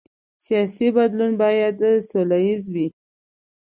سیاسي بدلون باید سوله ییز وي